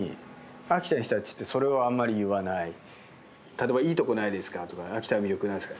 例えば「いいとこないですか？」とか「秋田の魅力何ですか？」。